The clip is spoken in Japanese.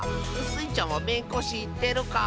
スイちゃんはめんこしってるか？